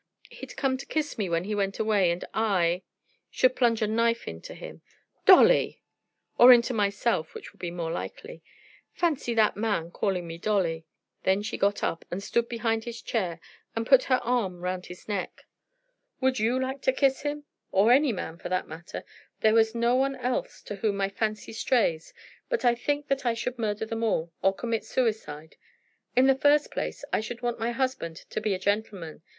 He'd come to kiss me when he went away, and I should plunge a knife into him." "Dolly!" "Or into myself, which would be more likely. Fancy that man calling me Dolly." Then she got up and stood behind his chair and put her arm round his neck. "Would you like to kiss him? or any man, for the matter of that? There is no one else to whom my fancy strays, but I think that I should murder them all, or commit suicide. In the first place, I should want my husband to be a gentleman.